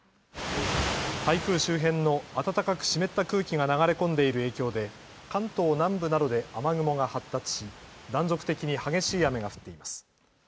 台風周辺の暖かく湿った空気が流れ込んでいる影響で関東南部などで雨雲が発達し断続的に激しい雨が降っています。